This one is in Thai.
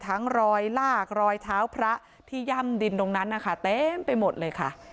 รอยลากรอยเท้าพระที่ย่ำดินตรงนั้นนะคะเต็มไปหมดเลยค่ะ